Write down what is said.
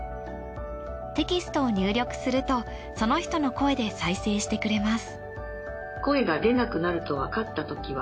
テキストを入力するとその人の声で再生してくれます。